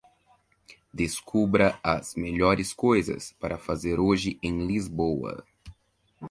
Descubra as melhores coisas para fazer hoje em Lisboa.